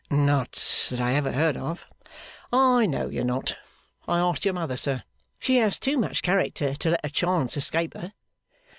'Not that I ever heard of.' 'I know you're not. I asked your mother, sir. She has too much character to let a chance escape her.